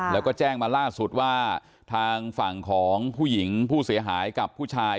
แล้วก็แจ้งมาล่าสุดว่าทางฝั่งของผู้หญิงผู้เสียหายกับผู้ชาย